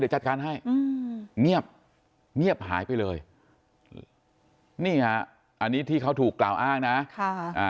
เดี๋ยวจัดการให้อืมเงียบเงียบหายไปเลยนี่ฮะอันนี้ที่เขาถูกกล่าวอ้างนะค่ะอ่า